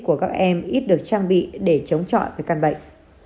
của các em ít được trang bị để chống chọi với căn bệnh